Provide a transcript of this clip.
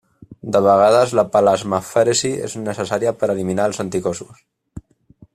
De vegades, la plasmafèresi és necessària per eliminar els anticossos.